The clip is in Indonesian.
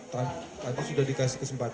tadi sudah dikasih kesempatan